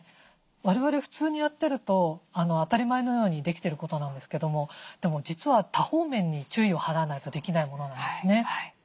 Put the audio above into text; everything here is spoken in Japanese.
我々普通にやってると当たり前のようにできてることなんですけどもでも実は多方面に注意を払わないとできないものなんですね。